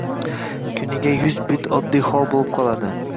Kuniga yuz bet oddiy hol boʻlib qoladi